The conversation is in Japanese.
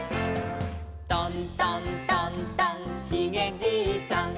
「トントントントンひげじいさん」